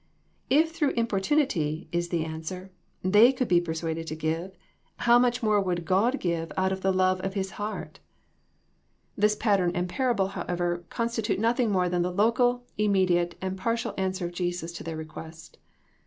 If through importunity, is the answer, they could be persuaded to give, how much more would God give out of the love of His heart. PEELIMINAEY 15 This pattern and parable, however, constitute nothing more than the local, immediate and par tial answer of Jesus to their request.